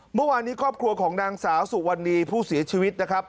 เมื่อวานนี้ครอบครัวของนางสาวสุวรรณีผู้เสียชีวิตนะครับ